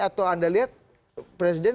atau anda lihat presiden